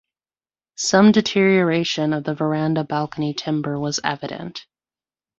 Some deterioration of the verandah balcony timber was evident.